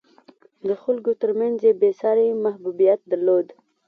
د خلکو ترمنځ یې بېساری محبوبیت درلود.